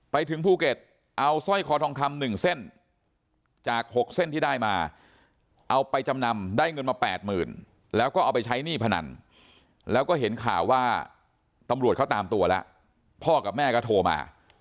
ไปถึงภูเก็ตเอาสร้อยคอทองคำ๑เส้นจาก๖เส้นที่ได้มาเอาไปจำนำได้เงินมา๘๐๐๐แล้วก็เอาไปใช้หนี้พนันแล้วก็เห็นข่าวว่าตำรวจเขาตามตัวแล้วพ่อกับแม่ก็โทรมา